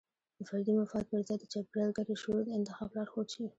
د فردي مفاد پر ځای د چاپیریال ګټې شعور د انتخاب لارښود شي.